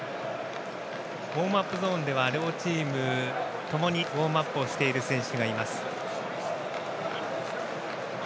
ウォームアップゾーンでは両チームともにウォームアップをしている選手がいます。